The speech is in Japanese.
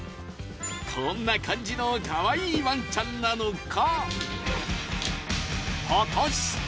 こんな感じのカワイイワンちゃんなのか？